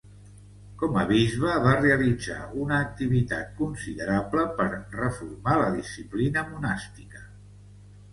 Com a bisbe va realitzar una activitat considerable, per reformar la disciplina monàstica.